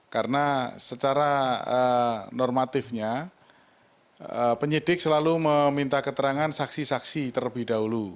karena secara normatifnya penyidik selalu meminta keterangan saksi saksi terlebih dahulu